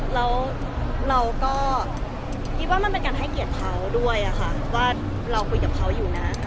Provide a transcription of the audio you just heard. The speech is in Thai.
แล้วเราก็คิดว่ามันเป็นการให้เกียรติเขาด้วยค่ะว่าเราคุยกับเขาอยู่นะ